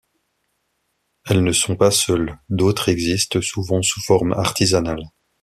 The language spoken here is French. Elles ne sont pas seules, d'autres existent, souvent sous forme artisanales.